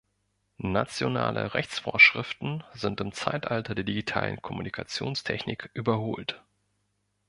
Nationale Rechtsvorschriften sind im Zeitalter der digitalen Kommunikationstechnik überholt.